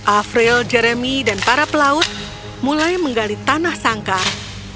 afriel jeremy dan para pelaut mulai menggali tanah sangkar